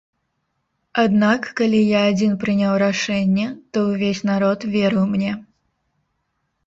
Аднак, калі я адзін прыняў рашэнне, то ўвесь народ верыў мне.